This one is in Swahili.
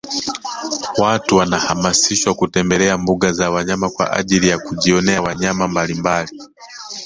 Watu wanahamasishwa kutembelea mbuga za wanyama kwaajili ya kujionea wanyama mbalimbali